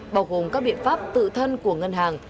bao gồm các biện pháp tự thân của ngân hàng